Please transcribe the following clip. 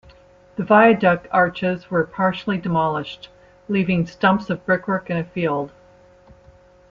The viaduct arches were partially demolished, leaving stumps of brickwork in a field.